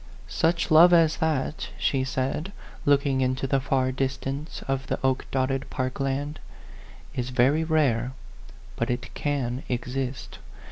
128 A PHANTOM LOVER. "Such love as that," she said, looking into the far distance of the oak dotted park land, " is very rare, but it can exist.